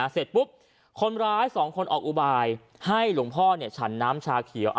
เสร็จปุ๊บคนร้ายสองคนออกอุบายให้หลวงพ่อฉันน้ำชาเขียว